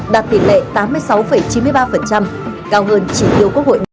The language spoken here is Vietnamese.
đạt tỷ lệ tám mươi sáu chín mươi ba cao hơn chỉ tiêu quốc hội nga một mươi một chín mươi ba